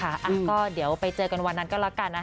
อ่ะก็เดี๋ยวไปเจอกันวันนั้นก็แล้วกันนะคะ